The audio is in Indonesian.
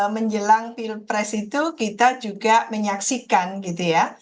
menjelang pilpres itu kita juga menyaksikan gitu ya